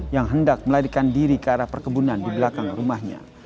yang hendak melarikan diri ke arah perkebunan di belakang rumahnya